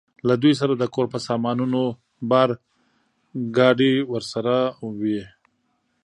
له دوی سره د کور په سامانونو بار، ګاډۍ ورسره وې.